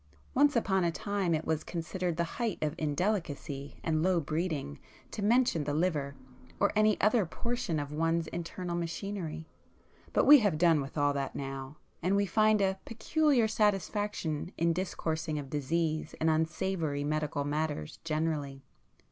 Once upon a time it was considered the height of indelicacy and low breeding to mention the 'liver' or any other portion of one's internal machinery,—but we have done with all that now, and we find a peculiar satisfaction in discoursing of disease and unsavoury medical matters generally.